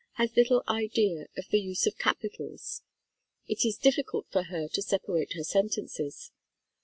Has little idea of the use of capitals. It is difficult for her to separate her sentences.